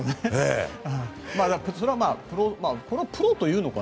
それはプロというのかな。